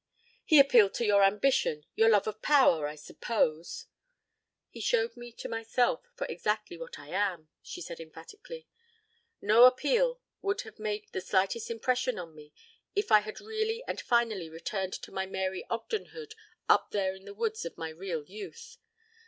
"He appealed to your ambition, your love of power, I suppose " "He showed me to myself for exactly what I am," she said emphatically. "No appeal would have made the slightest impression on me if I had really and finally returned to my Mary Ogdenhood up there in the woods of my real youth.